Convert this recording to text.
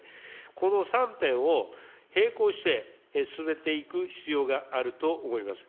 この３点を並行して進めていく必要があると思います。